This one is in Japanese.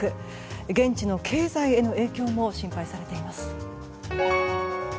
現地の経済への影響も心配されています。